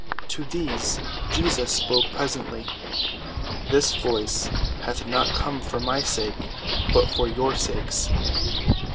To these Jesus spake presently. "This voice hath not come for my sake, but for your sakes.